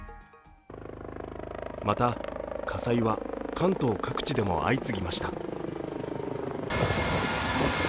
また、火災は関東各地でも相次ぎました。